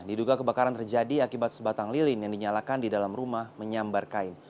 diduga kebakaran terjadi akibat sebatang lilin yang dinyalakan di dalam rumah menyambar kain